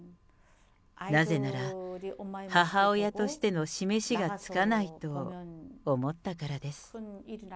なぜなら母親としての示しがつかないと思ったからです。